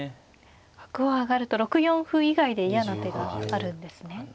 角を上がると６四歩以外で嫌な手があるんですね。